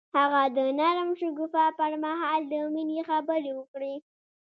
هغه د نرم شګوفه پر مهال د مینې خبرې وکړې.